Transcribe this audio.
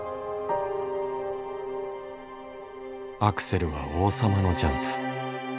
「アクセルは王様のジャンプ」